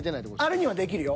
あれにはできるよ。